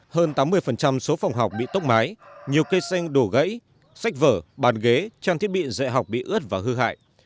hơn tám mươi số phòng học bị tốc mái nhiều cây xanh đổ gãy sách vở bàn ghế trang thiết bị dạy học bị ướt và hư hại